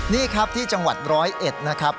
นี่ครับที่จังหวัดร้อยเอ็ดนะครับ